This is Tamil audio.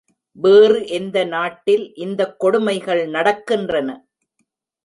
வேறு எந்த நாட்டில் இந்தக் கொடுமைகள் நடக்கின்றன?